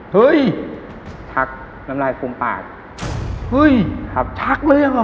เฮ้ยชักน้ำลายฟูมปากเฮ้ยครับชักเลยหรอครับ